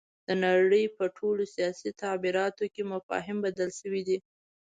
د نړۍ په ټولو سیاسي تعبیراتو کې مفاهیم بدل شوي دي.